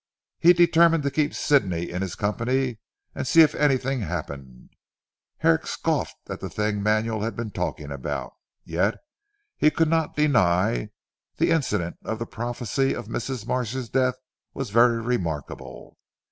He determined to keep Sidney in his company and see if anything happened. Herrick scoffed at the things Manuel had been talking about, yet he could not deny that the incident of the prophecy of Mrs. Marsh's death was very remarkable.